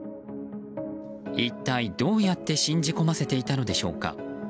一体どうやって信じ込ませていたのでしょうか。